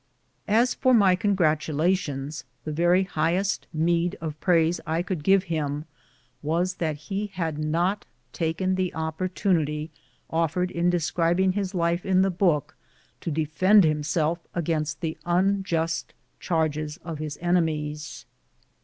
As for my congratulations, the very highest meed of praise I could give him was that ho had not taken the opportunity offered in describing his life in the book to defend himself against the unjust charges of his ene mies.